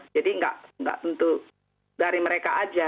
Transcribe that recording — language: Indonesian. jadi gak gak tentu dari mereka aja